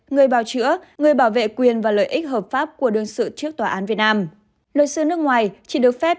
người bảo chữa người bảo vệ quyền và lợi ích hợp pháp của đương sự trước tòa án việt nam